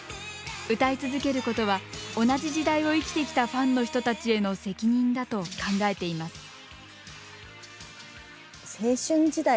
歌い続けることは同じ時代を生きてきたファンの人たちへの責任だと考えています。